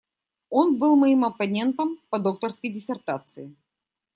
Он был моим оппонентом по докторской диссертации.